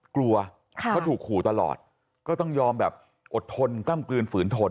กลัวเพราะถูกขู่ตลอดก็ต้องยอมแบบอดทนกล้ำกลืนฝืนทน